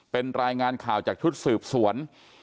เป็นรายงานข่าวจากชุดสืบสวน